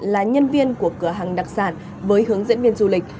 là nhân viên của cửa hàng đặc sản với hướng dẫn viên du lịch